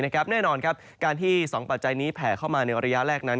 แน่นอนการที่๒ปัจจัยนี้แผ่เข้ามาในระยะแรกนั้น